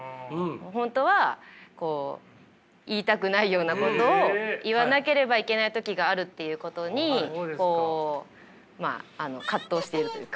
本当は言いたくないようなことを言わなければいけない時があるっていうことに葛藤しているというか。